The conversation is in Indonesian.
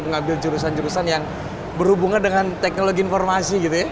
mengambil jurusan jurusan yang berhubungan dengan teknologi informasi gitu ya